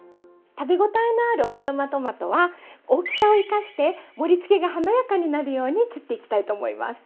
食べごたえのある大玉トマトは大きさを生かして盛りつけが華やかになるように切っていきたいと思います。